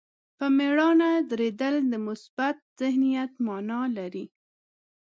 په مېړانه درېدل د مثبت ذهنیت معنا لري.